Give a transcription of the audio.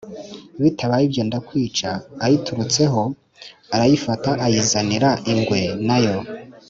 Bitabaye ibyo ndakwica Ayirutseho arayifata ayizanira ingwe na yo